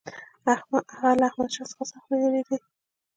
هغه له احمدشاه څخه سخت وېرېدی.